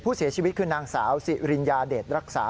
ผู้เสียชีวิตคือนางสาวสิริญญาเดชรักษา